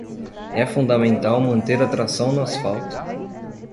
É fundamental manter a tração no asfalto.